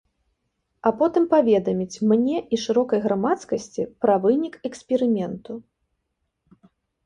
А потым паведаміць мне і шырокай грамадскасці пра вынік эксперыменту.